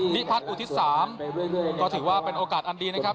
พิพัฒน์อุทิศ๓ก็ถือว่าเป็นโอกาสอันดีนะครับ